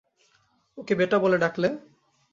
ওকে বেটা বলে ডাকলে?